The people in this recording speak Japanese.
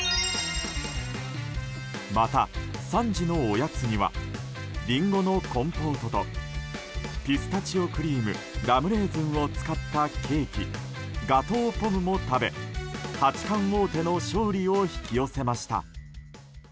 また、３時のおやつにはリンゴのコンポートとピスタチオクリームラムレーズンを使ったケーキガトー・ポムも食べ八冠王手の勝利を引き寄せました。